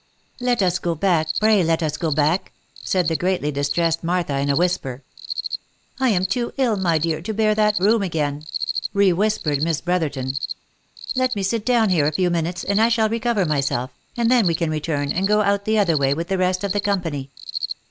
" Let us go back, pray let us go back !" said the greatly distressed Martha, in a whisper. " I am too ill, my dear, to bear that room again," rewhispered Miss Brotherton. " Let me sit down here for a few minutes, and I shall 110 THE LIFE AND ADVENTURES recover myself; and then we can return, and go out the other way with the rest of the company."